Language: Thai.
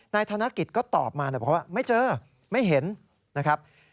ธนกิจก็ตอบมาบอกว่าไม่เจอไม่เห็นนะครับ